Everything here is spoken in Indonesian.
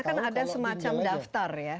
karena kan ada semacam daftar ya